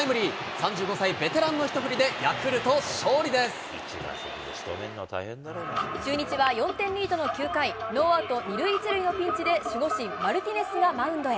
３５歳ベテランの一振りで、中日は４点リードの９回、ノーアウト２塁１塁のピンチで、守護神、マルティネスがマウンドへ。